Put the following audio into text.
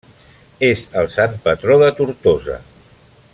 És el sant patró de Tortosa.